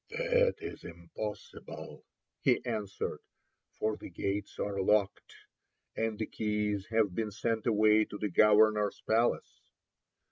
"That is impossible," he answered, "for the gates are locked, and the keys have been sent away to the governor's palace."